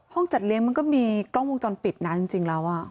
ห้องจัดเลี้ยงมันก็มีกล้องวงจรปิดนานจริงจริงแล้วอ่ะ